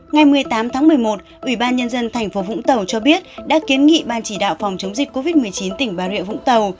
ngày một mươi tám tháng một mươi một ủy ban nhân dân tp vũng tàu cho biết đã kiến nghị ban chỉ đạo phòng chống dịch covid một mươi chín tỉnh bà rịa vũng tàu